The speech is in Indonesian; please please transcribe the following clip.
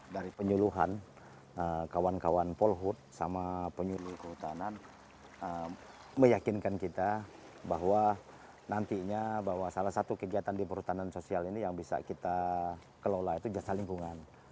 dari penyuluhan kawan kawan polhut sama penyuluh kehutanan meyakinkan kita bahwa nantinya bahwa salah satu kegiatan di perhutanan sosial ini yang bisa kita kelola itu jasa lingkungan